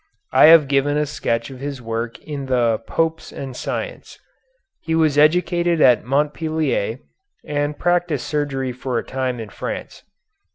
I have given a sketch of his work in "The Popes and Science." He was educated at Montpellier, and practised surgery for a time in France.